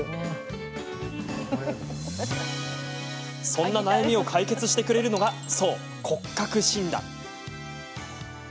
そんな悩みを解決してくれるのがそう、骨格診断。